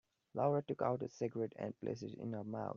Laura took out a cigarette and placed it in her mouth.